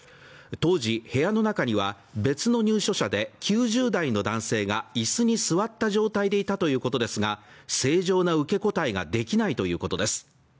当時、部屋の中には別の入所者で９０代の男性が椅子に座った状態でいたということですが、正常な受け答えができないということです。